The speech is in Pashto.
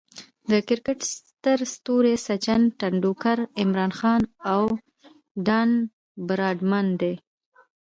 د کرکټ ستر ستوري سچن ټندولکر، عمران خان، او ډان براډمن دي.